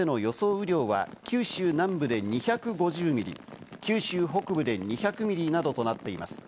雨量は九州南部で２５０ミリ、九州北部で２００ミリなどとなっています。